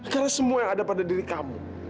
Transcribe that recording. karena semua yang ada pada diri kamu